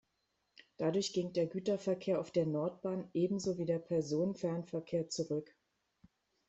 Dadurch ging der Güterverkehr auf der Nordbahn ebenso wie der Personenfernverkehr zurück.